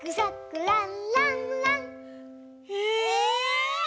え！